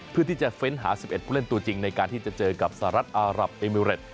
เพื่อที่จะเฟ้นหา๑๑ผู้เล่นตัวจริงในการที่จะเจอกับสหรัฐอารับเอมิเรต